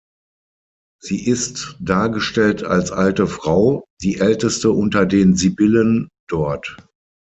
Sie ist dargestellt als alte Frau, die älteste unter den Sibyllen dort.